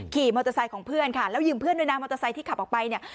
ขี่มอเตอร์ไซค์ของเพื่อนค่ะแล้วยืมเพื่อนด้วยนะมอเตอร์ไซค์ที่ขับออกไปเนี่ย